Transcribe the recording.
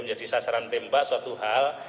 menjadi sasaran tembak suatu hal